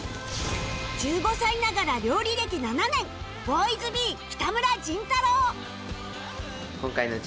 １５歳ながら料理歴７年 Ｂｏｙｓｂｅ 北村仁太郎